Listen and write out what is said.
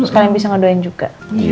kalian bisa ngedoain juga